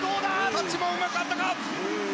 タッチもうまくいったか。